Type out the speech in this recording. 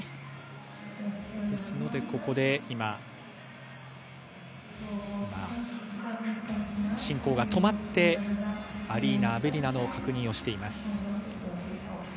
ですので、ここで進行が止まってアリーナ・アベリナの確認をしています。